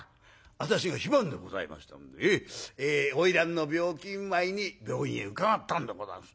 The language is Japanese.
私が非番でございましたもんで花魁の病気見舞いに病院へ伺ったんでございます。